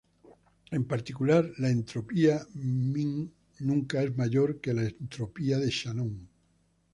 En particular, la entropía min nunca es mayor que la entropía de Shannon.